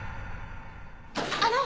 あの！